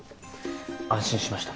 安心しました。